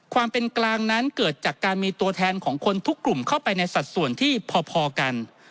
ความเป็นกลางนั้นเกิดจากการมีตัวแทนของคนทุกกลุ่มเข้าไปในสัดส่วนที่พอกัน